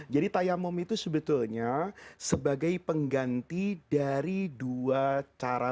jadi tayamum itu sebetulnya sebagai pengganti dari dua cara